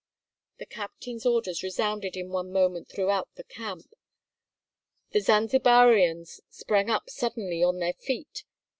The captain's orders resounded in one moment throughout the camp. The Zanzibarians sprang up suddenly on their feet.